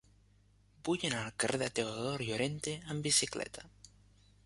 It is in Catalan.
Vull anar al carrer de Teodor Llorente amb bicicleta.